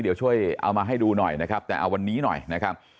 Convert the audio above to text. เดี๋ยวช่วยเอามาให้ดูหน่อยนะครับแต่เอาวันนี้หน่อยนะครับ